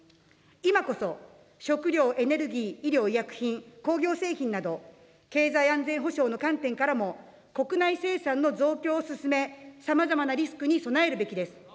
今こそ食料、エネルギー、医療、医薬品、工業製品など、経済安全保障の観点からも、国内生産の増強を進め、さまざまなリスクに備えるべきです。